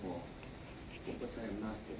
ผมก็ใช้มณะถูกต้อง